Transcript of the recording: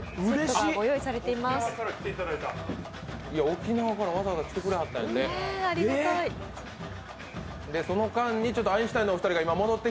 沖縄からわざわざ来てくれはったんやって。